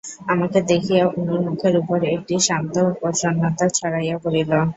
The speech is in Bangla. আমাকে দেখিয়া অনুর মুখের উপর একটি শান্ত প্রসন্নতা ছড়াইয়া পড়িল।